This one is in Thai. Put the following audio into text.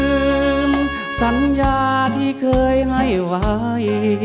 ลืมสัญญาที่เคยให้ไว้